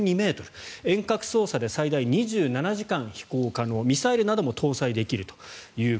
遠隔操作で最大２７時間飛行可能ミサイルなども搭載できると。